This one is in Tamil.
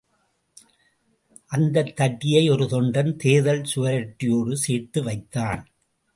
அந்த தட்டியை ஒரு தொண்டன், தேர்தல் சுவரொட்டியோடு சேர்த்து வைத்தான்.